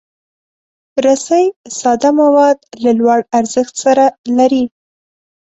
رسۍ ساده مواد له لوړ ارزښت سره لري.